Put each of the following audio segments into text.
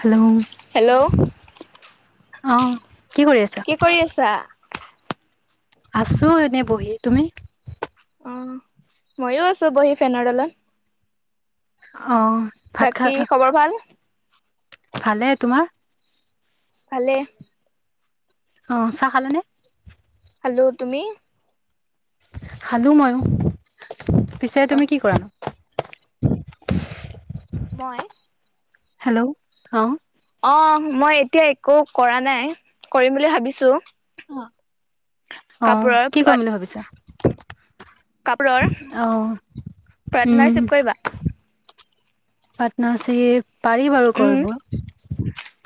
Hello আহ! কি কৰি আছা? কৰি আছা? আছো এনে বহি তুমি? অ মইো আছো বহি ফেনৰ তলত অ। ভাত খা বাকী খবৰ ভাল? ভালে তোমাৰ? ভালে। অঁ চাহ খালেনে? খালো তুমি? খালো ময়ো পিছে তুমি কি কৰা নো? মই হেল্ল' অ! অ মই এতিয়া একো কৰা নাই কৰিম বুলি ভাবিছো। অ কাপোৰৰ কি কৰিম বুলি ভাবিছা কাপোৰৰ অ হম পাৰ্টনাৰশ্বিপ কৰিবা? পাৰ্টনাৰ্শ্বিপ পাৰি বাৰু উম কৰিব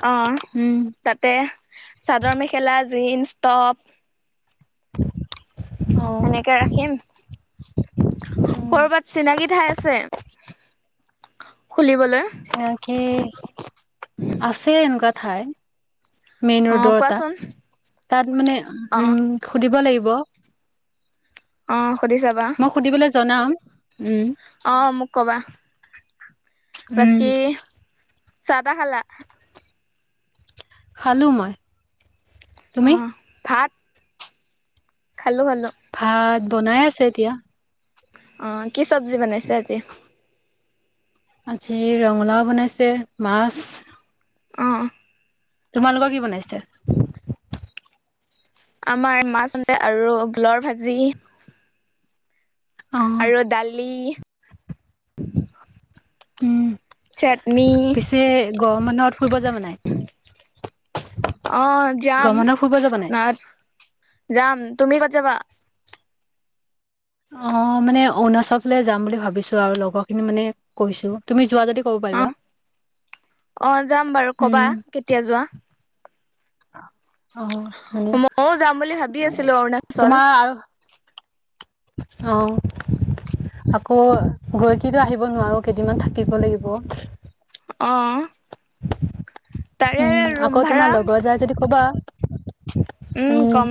অ উম তাতে চাদৰ মেখেলা জিন্স টপ [inaudible] অ সেনেকে ৰাখিম উম কৰবাত চিনাকি ঠাই আছে খুলিবলৈ চিনাকি আছে এনেকুৱা ঠাই মেইন অ ৰোডৰ এটা কোৱাচোন। তাত মানে অ উম সুধিব লাগিব -ব অ সুধি চাবা। মই সুধিবলে জনাম উম অ মোক কবা উম বাকী চাহ তাহ খালা খালো মই তুমি অ ভাত খালো খালো ভাত বনাই আছে এতিয়া অ কি চব্জি বনাইছে আজি আজি ৰঙালাও বনাইছে মাছ অঁ তোমালোকৰ কি বনাইছে আমাৰ মাছ আ [unintelligible] আৰু ভোলৰ ভাজি অ আৰু দালি উম চাটনি পিছে গৰম বন্ধত ফুৰিব যাবা নাই অ যাম গৰম বন্ধত ফুৰিব যাবা নাই যাম তুমি ক'ত যাবা অ মানে অৰুণাচললৈ যাম বুলি ভাবিছো আৰু লগৰ খিনি মানে কৈছো তুমি যোৱা যদি ক'ব অ', পাৰিবা অ যাম বাৰু কবা উম কেতিয়া যোৱা অ মানে ময়ও যাম বুলি ভাবি আছিলো অৰুণাচল তোমাৰ আৰু অ আকৌ গৈ কিন্তু আহিব নোৱাৰো কেইদিনমান থাকিব লাগিব অ তাৰে উম ৰুম আকৌ তোমাৰ ভাড়া লগৰ যাই যদি কবা উম, কম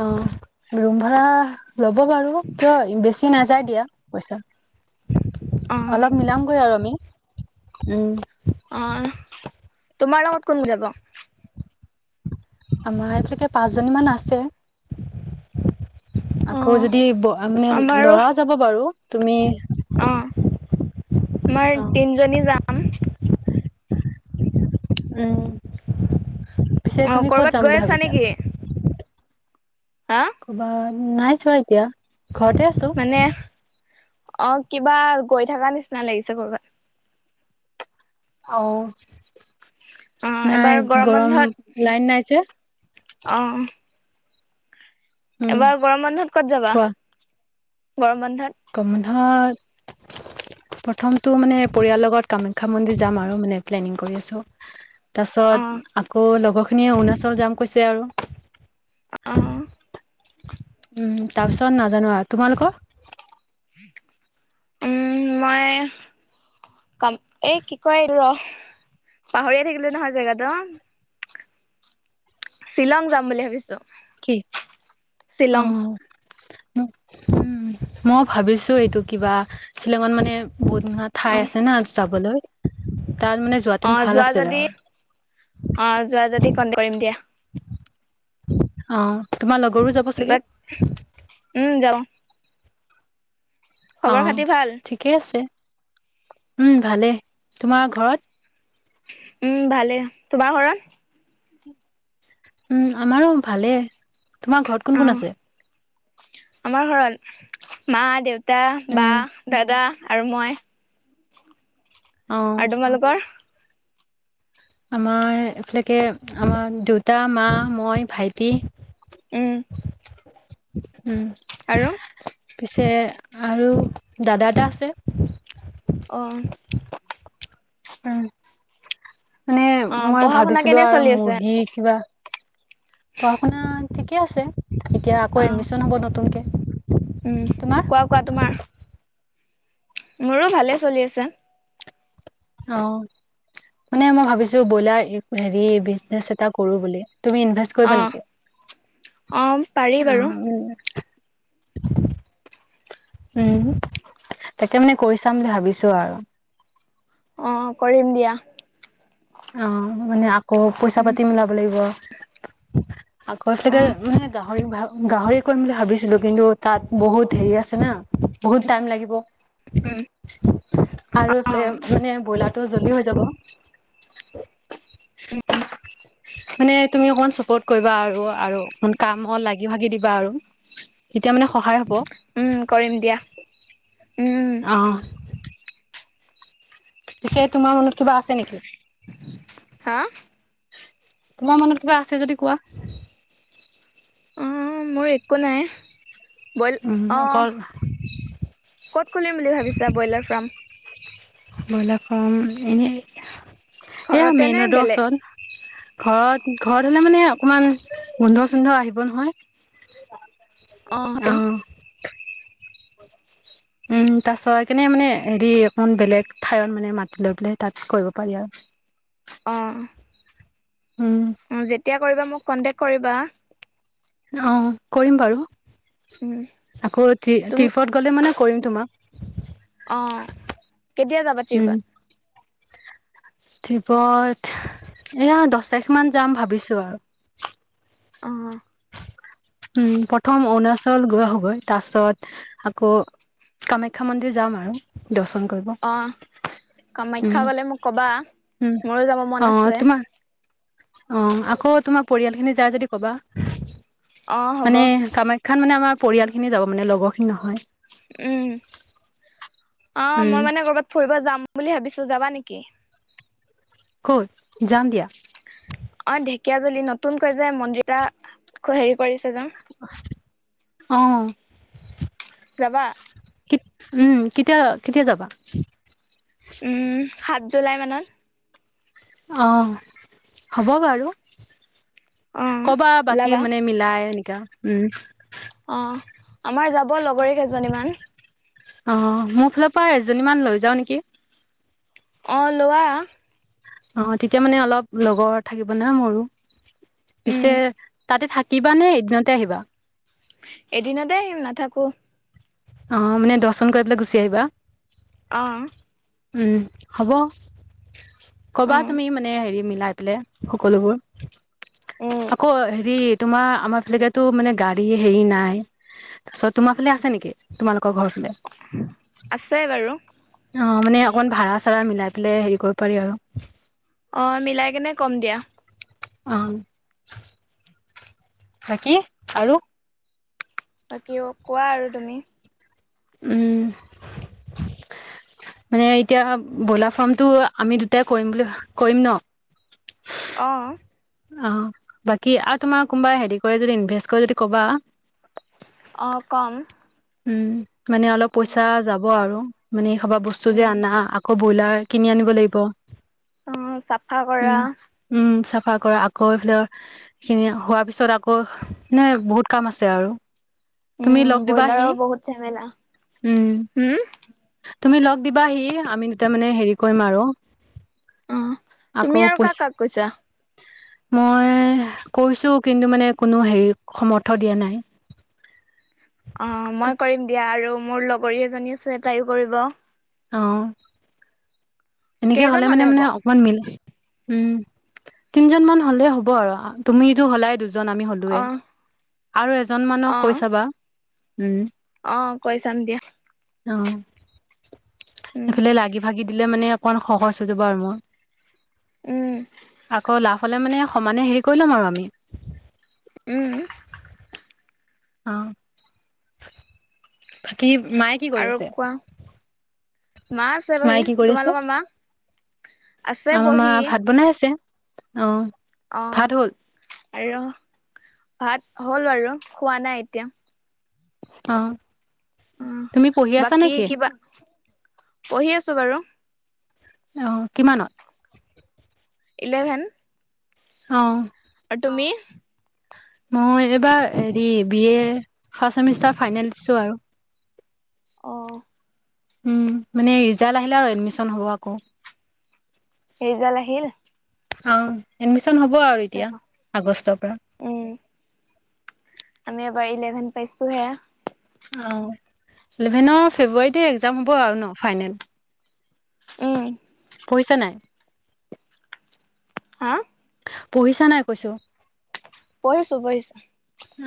অ, ৰুম ভাড়া। ল'ব বাৰু কিয় বেছি নাযায় দিয়া পইচা অ', অলপ মিলামগৈ আৰু আমি উম, অ, তোমাৰ লগত কোন যাব। আমাৰ এতিয়ালৈকে পাচজনীমান আছে। আকৌ অ', যদি মানে আমাৰো লৰা যাব বাৰু তুমি? অ, আমাৰ অ' তিনিজনী যাম। উম, পিছে অ', তুমি ক'ত কৰ'বাত যাম গৈ বুলি আছা ভাবিছা। নেকি? হা ক'ৰবাত নাই চোৱা এতিয়া ঘৰতে আছো। মানে অ, কিবা গৈ থকা নিচিনা লাগিছে কৰ'বাত। অ, অ এবাৰ নাই গৰম বন্ধত লাইন নাইযে। অ', উম এবাৰ গৰম বন্ধত ক'ত যাবা কোৱা গৰ গৰম বন্ধত প্ৰথমটো মানে পৰিয়ালৰ লগত কামাখ্যা মন্দিৰ যাম আৰু মানে প্লেনিং কৰি আছো। তাৰ অ পিছত আকৌ লগৰ অৰুণাচল যাম কৈছে অ আৰু। উম, তাৰ পিছত নাজানো আৰু তোমালোকৰ। উম মই ক এই কি কয় ৰ। পাহৰিয়ে থাকিলে নহয় জেগটো শ্বিলং যাম বুলি ভাবিছো। কি অ শ্বিলং উম, মই ভাবিছো এইটো কিবা শ্বিলঙত মানে বহুত ধা অ ঠাই আছে না যাবলৈ। তাত মানে অ যোৱাতেন ভাল যোৱা আছিল যদি অ যোৱা যদি আৰু কন্টেক কৰিম দিয়া অ, তোমাৰ লগৰো যাব চাগে। উম যাও অ, খবৰ খাতি ভাল ঠিকেই আছে উম, ভালেই তোমাৰ ঘৰত? উম, ভালে তোমাৰ ঘৰত। উম, আমাৰো ভালেই তোমাৰ ঘৰত কোন - অ কোন আছে? আমাৰ ঘৰত মা দেউতা উম বা দাদা আৰু মই। অ আৰু তোমালোকৰ? আমাৰ এইফিলকে আমাৰ দেউতা মা মই ভাইটি। উম, উম, আৰু পিছে আৰু দাদা এটা আছে। অ', উম, মানে অ মই পঢ়া শুনা ভাবিছিলো কেনে আৰু চলি আছে মুৰ্গী কিবা পঢ়া শুনা ঠিকে আছে এতিয়া আকৌ অ এডমিশ্ন হ'ব নতুনকে। উম, তোমাৰ কোৱা - কোৱা তোমাৰ। মোৰো ভালে চলি আছে। অ, মানে মই ভাবিছো ব্ৰইলাৰ হেৰি বিজনেচ এটা কৰো বুলি। তুমি ইনভেষ্ট অ কৰিবা নেকি পাৰি অ, বাৰু উম। [inaudible] উম, তাকে মানে কৰি চাম বুলি ভাবিছো আৰু। অ, কৰিম দিয়া। অ, মানে আকৌ পইচা উম পাতি মিলাব লাগিব। আগত অ লকে মানে গাহৰি- গাহৰি কৰিম বুলি ভাবিছিলো কিন্তু তাত বহুত হেৰি আছে নে। বহুত টাইম লাগিব। আৰু অ এইফালে মানে ব্ৰইলাৰটো জল্দি হৈ যাব। [unintelligible] [unintelligible] মানে তুমি অকণমান চাপৰ্ট কৰিবা আৰু আৰু অ কামত লাগি ভাগি দিবা আৰু তেতিয়া মানে সহায় হ'ব উম কৰিম দিয়া উম আহ পিছে তোমাৰ মনত কিবা আছে নেকি? হা তোমাৰ মনত কিবা আছে যদি কোৱা অ মোৰ একো নাই বইল উম অ, অকল ক'ত খুলিম বুলি ভাবিছা ব্ৰইলাৰ ফাৰ্ম ব্ৰইলাৰ ফাৰ্ম এনেই, এয়া ঘৰতে নে মেইন ৰোডৰ বেলেগ ওচৰত ঘৰত ঘৰত হলে মানে অকমান গোন্ধ চোন্ধ আহিব নহয় অ হয়তো - উম তাৰছত সেকানে মানে হেৰি অকমান বেলেগ ঠাইত মানে মাতি লৈ পেললে তাত কৰিব পাৰি আৰু [inaudible] অহ উম যেতিয়া কৰিবা মোক কন্তেক কৰিবা অহ কৰিম বাৰু উম আকৌ ট্ৰিপত গলে মানে কৰিম তোমাক অহ কেতিয়া যাবা উম ট্ৰিপত। ট্ৰিপত এয়া দছ তাৰিখ মান যাম ভাবিছোঁ আৰু। অহ। উম প্ৰথম অৰুণাচল গৈ আহোগৈ তাৰপাছত আকৌ। কামাখ্যা মন্দিৰ যাম আৰু দৰ্শন কৰিব। অ উম কামাখ্যা গলে মোক কবা উম মোৰো যাব মন আছে। অহ আকৌ তোমাৰ পৰিয়াল খিনি যায় যদি ক'বা অ হ'ব মানে কামা। খ্যা মানে আমাৰ পৰিয়াল খিনি যাব মানে লগৰ খিনি নহয়। উম অহ উম মই মানে কৰবাত ফুৰিব যাম। বুলি ভাবিছোঁ যাবা নেকি। ক'ত যাম দিয়া। কিয় জলী নতুনকৈ যে মন্দিৰ এটা খো হেৰি কৰিছে যে। অহ। যাবা। উম কেতিয়া কেতিয়া যাবা। উম সাত জুলাই মানত। অহ হ'ব বাৰু। অ কবা বাকী ওলাবা মানে মিলাই এনেকা উম। অহ আমাৰ যাব লগৰী কেইজনীমান। অহ মোৰ ফালৰ পৰা এজনী মান লৈ যাওঁ নেকি। অহঁ লোৱা। অহ তেতিয়া মানে অলপ লগৰ থাকিব ন মোৰো উম পিছে তাতে থা। কিবা নে এদিনতে আহিবা। এদিনতে আহিম নাথাকো। অঁ, মানে দৰ্শন কৰি পেলাই গুচি আহিবা? অ'। উম, হ'ব অ কবা তুমি মানে হেৰি। মিলাই পেলাই সকলোবোৰ। উম আকৌ হেৰি তোমাৰ আমাৰ ফালকেটো মানে গাড়ী হেৰি নাই। তাৰপিছত তোমাৰ ফালে আছে নেকি? তোমালোকৰ ঘৰ ফালে। আছে বাৰু অ মানে অকন ভাড়া-চাড়া মিলাই পেলাই হেৰি কৰিব পাৰি আৰু। অ' মিলাই কেনে কম দিয়া। অ' বাকী আৰু বাকী অ' কোৱা আৰু তুমি উম মানে এতিয়া ব্ৰইলাৰ ফাৰ্মটো আমি দুটাই কৰিম বুলি কৰিম ন অ' অ' বাকী আৰু তোমাৰ কোনোবা হেৰি কৰে যদি ইনভেষ্ট কৰি যদি ক'বা, অ' কম উম মানে অলপ উম পইচা যাব আৰু মানে এই সবা বস্তু যে উম আনা আকৌ ব্ৰইলাৰ কিনি আনিব লাগিব অম চাফা কৰা সায় কৰা আকৌ এইফালে সখিনি হোৱাৰ পিছত আকৌ এানে বহুত কাম আছে আৰু তুমি লগ উম, দিবা। ব্ৰইলাৰৰ বহুত ঝেমেলা হম। তুমি লগ দিবাহি আমি তেতিয়া মানে হেৰি কৰিম আৰু অ' আকৌ তুমি আৰু কাক পইচা কাক কৈছা। মই কৈছোঁ কিন্তু মানে কোনো হেৰি সমৰ্থ দিয়া নাই, অ' মই কৰিম দিয়া আৰু মোৰ লগৰী এজনী আছে তাইও কৰিব। অ' এনেকে কেইজন হলে মানে হ'ব? মানে অকমান মিল উম! তিনজনমানান হলে হ'ব আৰু তুমিটো হলাই দুছ জন আমি হ'লোয়ে অ', আৰু এজন মানক কৈ অ', চাবা উম! অ' কৈ চাম দিয়া। অ' উম, এইফালে লাগি ভাগি দিলে মানে অকমান সহজ হৈ যাব আৰু মই উম, আকৌ লাভ হলে মানে সমানে হেৰি কৰি লম আৰু আমি উম! অ' বাকী মায়ে কি কৰি আৰু আছে। কোৱা? মা আছে বহি মায়ে তোমালোকৰ মা আছে আ আমাৰ বহি। ভাত বনাই আছে অ' ভাত হ'ল অ' আৰু ভাত হ'ল আৰু খোৱা নাই এতিয়া। অ' উম, তুমি পঢ়ি আছা বাকী নেকি? কিবা পঢ়ি আছো বাৰু অ' কিমানত ইলেভেন অ' আৰু তুমি? মই এইবাৰ হেৰি B A first semester final দিছোঁ আৰু অ'--! উম মানে ৰিজাল্ট আহিলে আৰু এডমিচন হ'ব আকৌ সেই জাল আহিল। অ' এ হ'ব আৰু এতিয়া আগষ্টৰ পৰা। বা, ইলেভেন পাইছো হে অ' ইলেভেনৰ ফেব্ৰুৱাৰীতে এক্জাম হ'ব আৰু ন ফাইনেল আহ! ন! হা! পঢ়িছা নাই কৈছো। পঢ়িছো পঢ়িছো।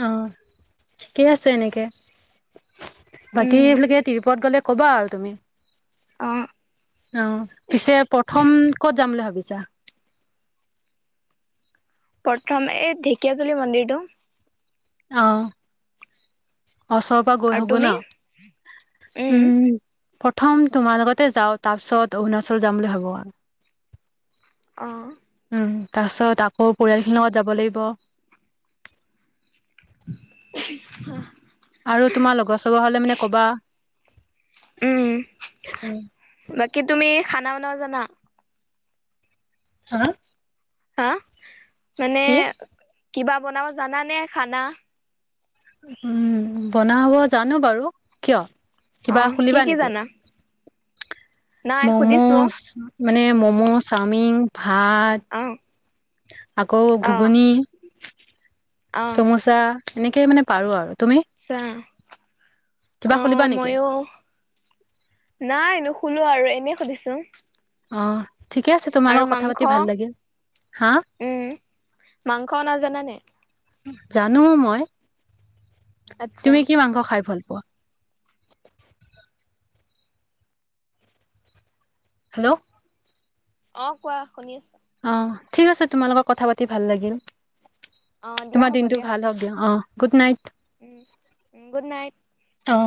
অ' ঠিকে আছে এনেকে বাকী উম এইফিলোকে তিৰুপত গ'লে। ক'বা আৰু তুমি অ অ পিছে প্ৰথম ক'ত যাম বুলি ভাবিছ জা প্ৰথম এই ঢেকিয়াজুলি মন্দিৰটো অহ! ওচৰৰ পৰা গৈ আৰু আহগৈ তুমি ন উম! প্ৰথম তোমাৰ লগতে যাও তাৰপিছত অৰুণাচল যাম বুলি ভাবো আও অ! উম তাৰ পিছত আকৌ পৰিয়াল খিনিৰ লগত যাব লাগিব। অ! আৰু তোমাৰ লগৰ চগৰ হলে মানে কবা উম উম, বাকী তুমি খানা বনাব জানা। হা! হা মানে কি কিবা বনাব জানানে খানা! উম বনাব জানো বাৰু কিয় অ কিবা কি খুলিবা কি নিকি জানা নাই সুধিছো মম'চ্। মানে ম'ম' চাওমিন ভাত অ আকৌ অ ঘুগুনি অ চমোচা এনেকে মানে পাৰো আৰু তুমি ছা কিবা খুলিবা নিকি নাই নোখোলো আৰু এনেই সুধিছোং অ ঠিকে আছে তোমাৰ লগত কথা পাতি ভাল লাগিল হা উম মাংস বনাব জানানে জানো মই আচ্ছা তুমি কি মাংস খাই ভাল পোৱা হেল্ল' অ কোৱা শুনি আছো অ ঠিক আছে তোমাৰ লগত কথা পাতি ভাল লাগিল অ দিয়া তোমাৰ হ'ব দিয়া দিনটো ভাল হক দিয়া অ গুড নাইট উম উ গুড নাইট অ